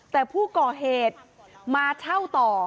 แต่ผู้ก่อเหตุมาเช่าต่อ